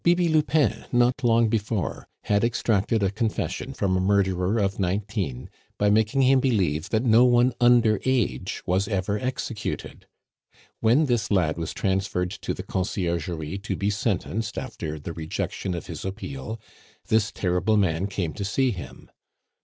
Bibi Lupin, not long before, had extracted a confession from a murderer of nineteen by making him believe that no one under age was ever executed. When this lad was transferred to the Conciergerie to be sentenced after the rejection of his appeal, this terrible man came to see him.